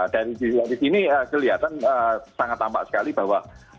dari sisi yang disini kelihatan sangat tampak sekali bahwa